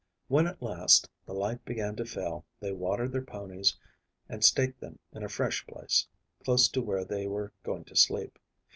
When at last the light began to fail they watered their ponies and staked them in a fresh place, close to where they were going to sleep.